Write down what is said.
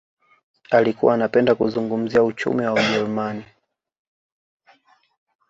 Alikuwa anapenda kuzungumzia uchumi wa ujerumani